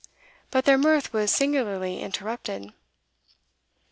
But their mirth was singularly interrupted.